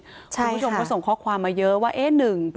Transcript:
ผู้ชมก็ส่งข้อความมาเยอะว่าเอ๊ะหนึ่ง